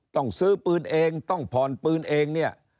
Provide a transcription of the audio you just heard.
ต้องซื้อปืนเองต้องผ่อนปืนเองเนี่ย